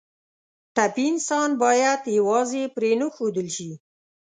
ټپي انسان باید یوازې پرېنښودل شي.